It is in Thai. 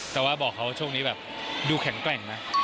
แต่ว่าบอกเขาช่วงนี้แบบดูแข็งแกร่งนะ